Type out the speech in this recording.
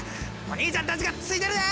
お兄ちゃんたちがついてるで！